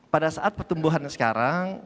pada saat pertumbuhan sekarang